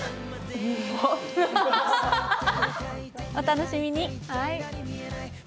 お楽しみに。